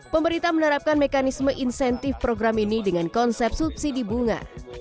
pemerintah menerapkan mekanisme insentif program ini dengan konsep subsidi bunga